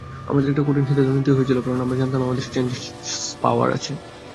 আমাদের একটা কঠিন সিদ্ধান্ত নিতে হয়েছিল কারণ আমরা জানতাম আমাদের স্ট্রেঞ্জের সপাওয়ার আছে।